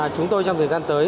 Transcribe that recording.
chúng tôi trong thời gian tới